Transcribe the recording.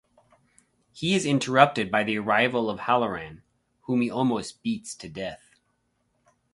He is interrupted by the arrival of Hallorann, whom he almost beats to death.